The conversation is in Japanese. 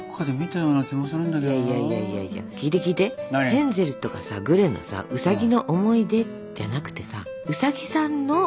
ヘンゼルとかさグレのさウサギの思い出じゃなくてさ「ウサギさんの」